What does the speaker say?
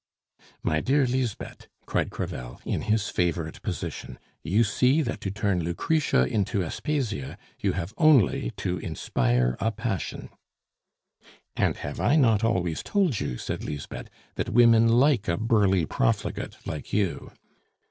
"My dear Lisbeth," cried Crevel, in his favorite position, "you see that to turn Lucretia into Aspasia, you have only to inspire a passion!" "And have I not always told you," said Lisbeth, "that women like a burly profligate like you?"